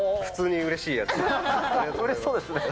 うれしそうです。